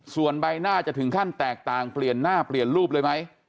ส่วนใบหน้าจะถึงขั้นแตกต่างเปลี่ยนหน้าเปลี่ยนรูปเลยไหม